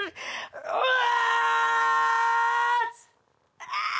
うわ！